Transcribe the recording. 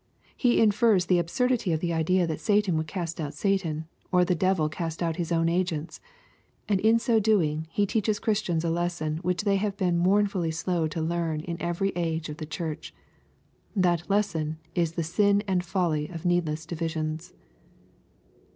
*' He infers the ab surdity of the idea that Satan would cast out Satan, or the devil cast out his own agents. . And in so doing. He teaches Christians a lesson which they }aave been mourn fully slow tq learn in every age of the church. That les son is the sin and folly of needless divisions.